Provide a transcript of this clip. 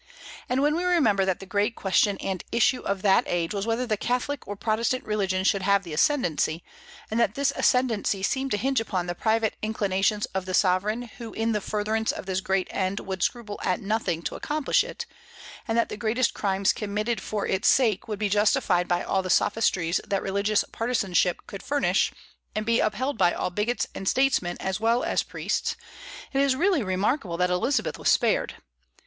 And when we remember that the great question and issue of that age was whether the Catholic or Protestant religion should have the ascendency, and that this ascendency seemed to hinge upon the private inclinations of the sovereign who in the furtherance of this great end would scruple at nothing to accomplish it, and that the greatest crimes committed for its sake would be justified by all the sophistries that religious partisanship could furnish, and be upheld by all bigots and statesmen as well as priests, it is really remarkable that Elizabeth was spared.